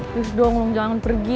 please dong lo jangan pergi